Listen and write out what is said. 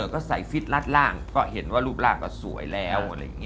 ก็ใส่ฟิตรัดร่างก็เห็นว่ารูปร่างก็สวยแล้ว